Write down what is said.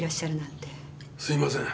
すいません。